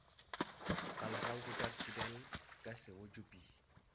Kal rawge jag gedel ga se wɔ joo bii.